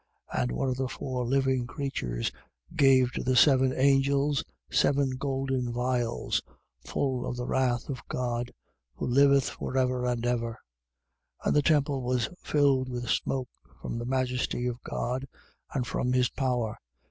15:7. And one of the four living creatures gave to the seven angels seven golden vials, full of the wrath of God, who liveth for ever and ever. 15:8. And the temple was filled with smoke from the majesty of God and from his power.